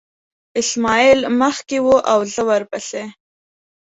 اسماعیل مخکې و او زه ورپسې.